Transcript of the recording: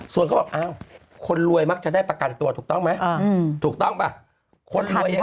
ส่วนเขาบอกอ้าวคนรวยมักจะได้ประกันตัวถูกต้องไหมถูกต้องป่ะคนรวยยัง